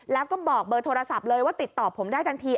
แล้วก็บอกเบอร์โทรศัพท์เลยว่าติดต่อผมได้ทันที